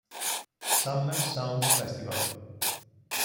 Summer Sounds Festival".